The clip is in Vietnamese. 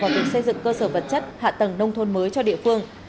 vào việc xây dựng cơ sở vật chất hạ tầng nông thôn mới cho địa phương